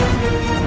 aku sudah menang